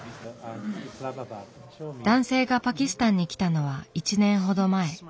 男性がパキスタンに来たのは１年ほど前。